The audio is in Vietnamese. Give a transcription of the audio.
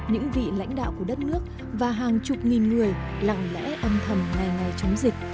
những vị lãnh đạo của đất nước và hàng chục nghìn người lặng lẽ âm thầm ngày ngày chống dịch